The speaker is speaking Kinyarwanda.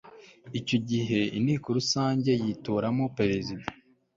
icyo gihe inteko rusange yitoramo perezida